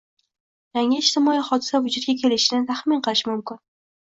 yangi ijtimoiy hodisa vujudga kelishini taxmin qilish mumkin.